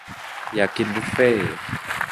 อยากกินบุฟเฟ่